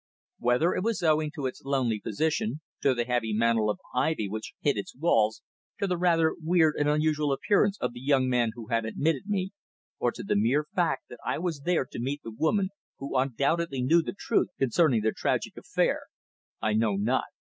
Whether it was owing to its lonely position, to the heavy mantle of ivy which hid its walls, to the rather weird and unusual appearance of the young man who had admitted me, or to the mere fact that I was there to meet the woman who undoubtedly knew the truth concerning the tragic affair, I know not.